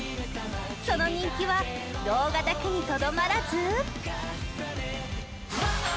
その人気は動画だけにとどまらず。